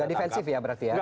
defensif ya berarti ya